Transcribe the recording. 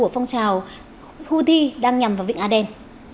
trong trào houthi đang nhằm vào vịnh aden